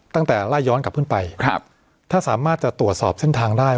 ตั้งแต่ไล่ย้อนกลับขึ้นไปครับถ้าสามารถจะตรวจสอบเส้นทางได้